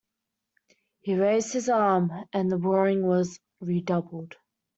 He raised his arm, and the roaring was redoubled.